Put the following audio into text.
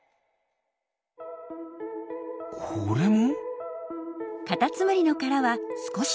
これも？